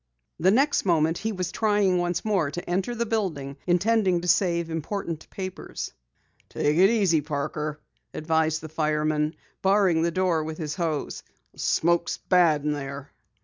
The next moment he was trying once more to enter the building, intending to save important papers. "Take it easy, Parker," advised the fireman, barring the door with his hose. "The smoke's bad in there."